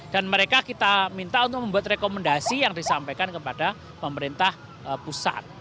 dan mereka kita minta untuk membuat rekomendasi yang disampaikan kepada pemerintah pusat